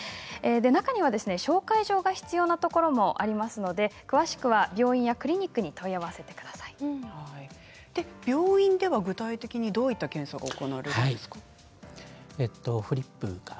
中には紹介状が必要なところもありますので詳しくは病院やクリニックに病院では具体的にどういった検査が行われるんですか？